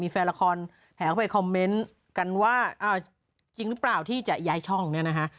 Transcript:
แฟนละครแห่เข้าไปคอมเมนต์กันว่าจริงหรือเปล่าที่จะย้ายช่องเนี่ยนะคะ